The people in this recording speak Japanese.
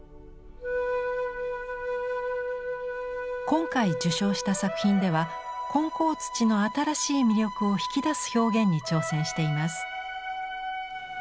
今回受賞した作品では混淆土の新しい魅力を引き出す表現に挑戦しています。